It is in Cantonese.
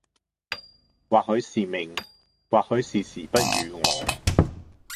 或許是命、或許是時不與我。